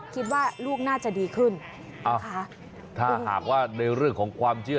คิดว่าลูกน่าจะดีขึ้นถ้าหากว่าในเรื่องของความเชื่อ